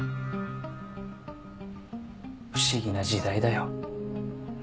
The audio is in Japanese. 不思議な時代だよ。